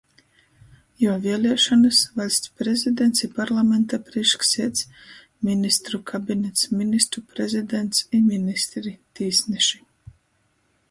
Juo vieliešonys, Vaļsts prezidents i parlamenta prīšksieds, Ministru kabinets, Ministru prezidents i ministri, tīsneši,